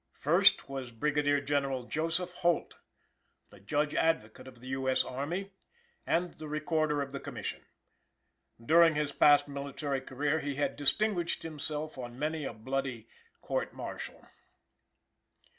First, was Brigadier General Joseph Holt, the Judge Advocate of the U. S. Army, and the Recorder of the Commission. During his past military career he had distinguished himself on many a bloody court martial.